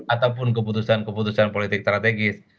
ataupun keputusan keputusan politik strategis